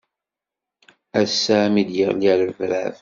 Ass-a mi d-yeɣli rrebrab.